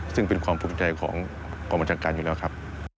ซึ่งเป็นความภูมิใจของกองบัญชาการอยู่แล้วครับ